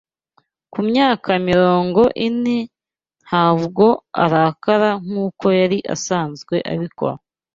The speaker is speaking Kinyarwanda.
Ku myaka mirongo ine, ntabwo arakara nkuko yari asanzwe abikora